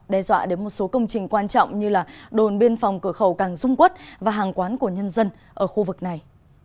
đe dọa đến một số công trình quan trọng như đồn biên phòng cửa khẩu càng dung quốc và hàng quán của nhân dân ở khu vực này